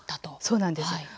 そうなんです。